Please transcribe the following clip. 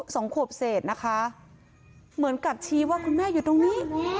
สองขวบเศษนะคะเหมือนกับชี้ว่าคุณแม่อยู่ตรงนี้